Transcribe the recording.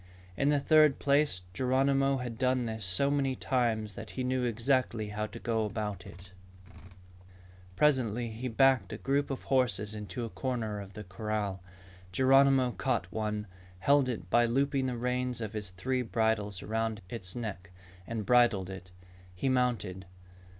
In the third place, Geronimo had done this so many times that he knew exactly how to go about it. [Illustration: The horses snorted in alarm] Presently he backed a group of horses into a corner of the corral. Geronimo caught one, held it by looping the reins of one of his three bridles around its neck, and bridled it. He mounted.